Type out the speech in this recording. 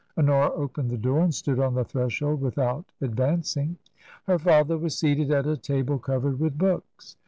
Honora opened the door and stood on the threshold without advancing. Her father was seated at a table covered with books.